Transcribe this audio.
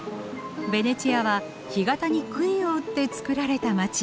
ベネチアは干潟にくいを打ってつくられた街。